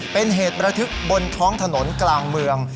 เป็นเหตุระทึกบนท้องถนนกลางเมือง